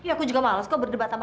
ya aku juga males kok berdebat sama